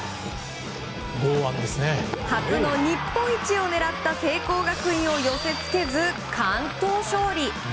初の日本一を狙った成功学園を寄せつけず完投勝利。